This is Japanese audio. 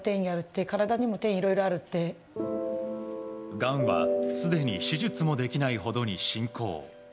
がんは、すでに手術もできないほどに侵攻。